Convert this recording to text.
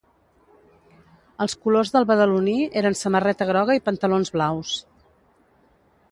Els colors del Badaloní eren samarreta groga i pantalons blaus.